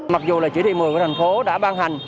mặc dù là chỉ thị một mươi của thành phố đã ban hành